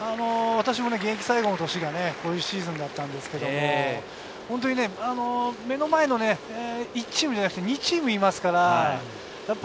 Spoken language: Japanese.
現役最後の年がこういうシーズンだったんですけど、目の前の１チームじゃなく、２チームもいますから。